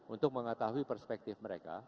untuk mengetahui perspektif mereka